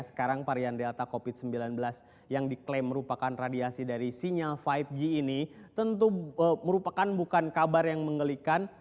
sekarang varian delta covid sembilan belas yang diklaim merupakan radiasi dari sinyal lima g ini tentu merupakan bukan kabar yang mengelikan